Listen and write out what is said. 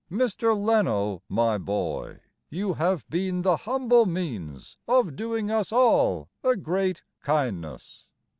Mr. Leno, my boy, You have been the humble means Of doing us all A great kindness.